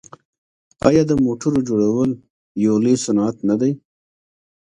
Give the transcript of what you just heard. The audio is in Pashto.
آیا د موټرو جوړول یو لوی صنعت نه دی؟